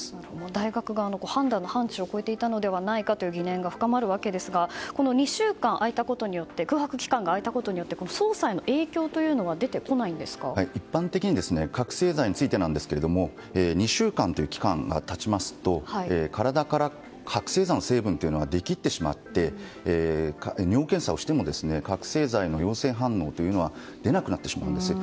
大学側の判断の範疇を超えているのではないかという疑念が深まりますが２週間も空白期間が空いたことによって捜査への影響というのは一般的に覚醒剤についてですが２週間という期間が経つと体から覚醒剤の成分が出きってしまって尿検査をしても覚醒剤の陽性反応は出なくなってしまうんです。